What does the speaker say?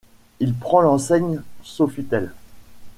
Il prend l'enseigne Sofitel.